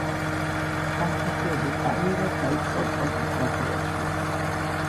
სამსახიობო კარიერა დაიწყო პორნოგრაფიაში.